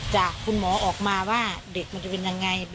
จากคุณหมอออกมาว่าเด็กมันจะเป็นยังไง